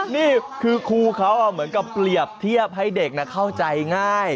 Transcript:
นี่คือครูเขาเหมือนกับเปรียบเทียบให้เด็กเข้าใจง่าย